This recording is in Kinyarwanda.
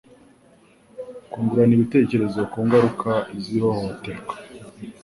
Kungurana ibitekerezo ku ngaruka z'ihohoterwa